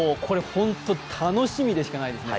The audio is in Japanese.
本当に楽しみでしかないですね。